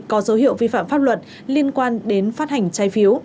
có dấu hiệu vi phạm pháp luật liên quan đến phát hành trái phiếu